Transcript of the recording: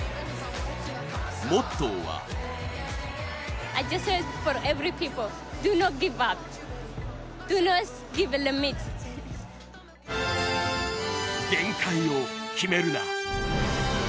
モットーは限界を決めるな。